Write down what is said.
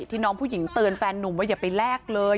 น้องผู้หญิงเตือนแฟนนุ่มว่าอย่าไปแลกเลย